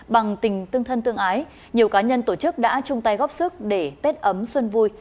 bằng tình tương thân tương ái nhiều cá nhân tổ chức đã chung tay góp sức để tết ấm xuân vui